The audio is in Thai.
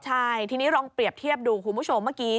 ใช่ทีนี้ลองเปรียบเทียบดูคุณผู้ชมเมื่อกี้